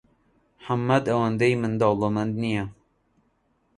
محەممەد ئەوەندی من دەوڵەمەند نییە.